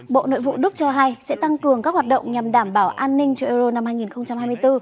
bộ nội vụ đức cho hay sẽ tăng cường các hoạt động nhằm đảm bảo an ninh cho euro năm hai nghìn hai mươi bốn